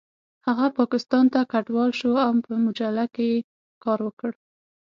هغه پاکستان ته کډوال شو او په مجله کې یې کار وکړ